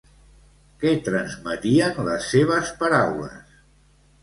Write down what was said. Què transmetien les seves paraules?